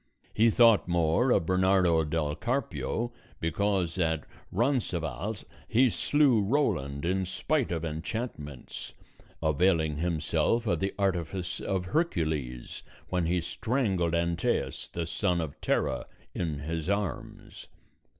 He thought more of Bernardo del Carpio because at Roncesvalles he slew Roland in spite of enchantments, availing himself of the artifice of Hercules when he strangled Antæus the son of Terra in his arms.